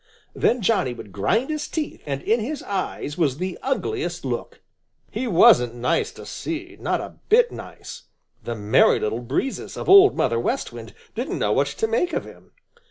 Then Johnny would grind his teeth, and in his eyes was the ugliest look. He wasn't nice to see, not a bit nice. The Merry Little Breezes of Old Mother West Wind didn't know what to make of him.